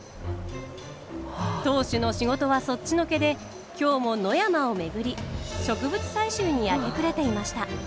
当主の仕事はそっちのけで今日も野山を巡り植物採集に明け暮れていました。